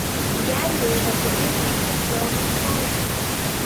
Gandy was the first seat of Logan County.